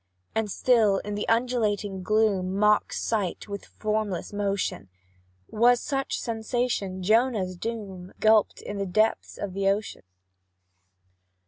And still the undulating gloom Mocks sight with formless motion: Was such sensation Jonah's doom, Gulphed in the depths of ocean?